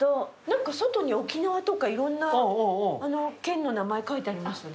何か外に沖縄とかいろんな県の名前書いてありましたね。